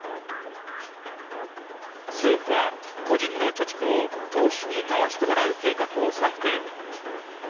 政府は個人の貯蓄を投資に回してもらう計画を策定。